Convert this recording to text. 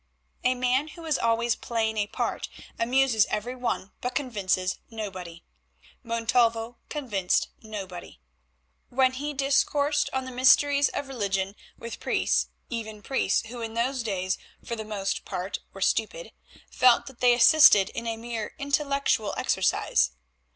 A man who is always playing a part amuses every one but convinces nobody. Montalvo convinced nobody. When he discoursed on the mysteries of religion with priests, even priests who in those days for the most part were stupid, felt that they assisted in a mere intellectual exercise.